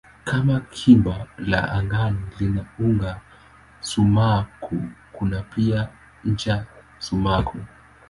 Kama gimba la angani lina uga sumaku kuna pia ncha sumaku.